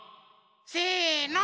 せの！